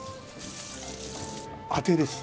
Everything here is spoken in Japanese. あてです。